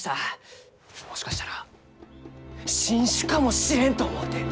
もしかしたら新種かもしれんと思うて！